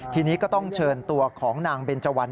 ทีนี้ก็ต้องเชิญตัวของนางเบนเจวัน